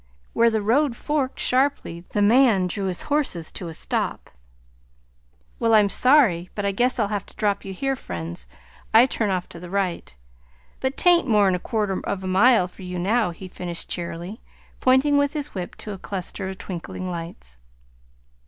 Where the road forked sharply the man drew his horses to a stop. "Well, I'm sorry, but I guess I'll have to drop you here, friends. I turn off to the right; but 't ain't more 'n a quarter of a mile for you, now" he finished cheerily, pointing with his whip to a cluster of twinkling lights.